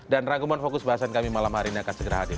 dan rangkuman fokus bahasan kami malam hari ini akan segera hadir